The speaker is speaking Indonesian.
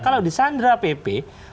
kalau di sandra pp